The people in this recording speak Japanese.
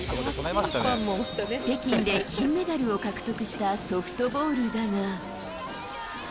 北京で金メダルを獲得したソフトボールだが。